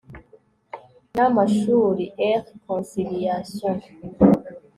n amashuri r conciliation